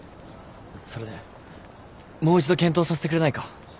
それでもう一度検討させてくれないか？